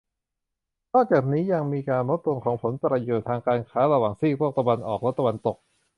นอกจากนี้ยังมีการลดลงของผลประโยชน์ทางการค้าระหว่างซีกโลกตะวันออกและตะวันตก